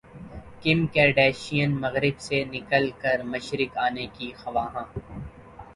کم Kardashian مغرب سے نکل کر مشرق انے کی خواہاں